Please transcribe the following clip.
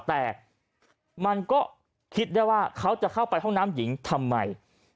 แต่มันก็คิดได้ว่าเขาจะเข้าไปห้องน้ำหญิงทำไม